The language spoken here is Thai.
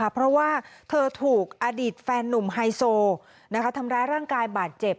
เพราะว่าเธอถูกอดีตแฟนนุ่มไฮโซทำร้ายร่างกายบาดเจ็บ